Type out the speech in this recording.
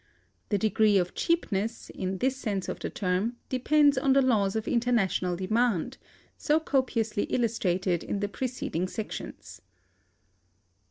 The degree of cheapness, in this sense of the term, depends on the laws of International Demand, so copiously illustrated in the preceding sections.